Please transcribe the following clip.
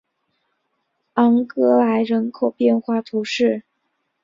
昂格莱人口变化图示